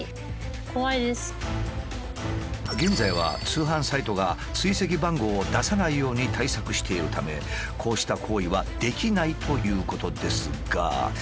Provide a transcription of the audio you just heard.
現在は通販サイトが追跡番号を出さないように対策しているためこうした行為はできないということですが。